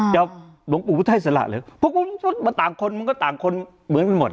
ชื่อหลงปกปุถัศน์หรือมีต่างคนเหมือนเหมือนเหมือนหมด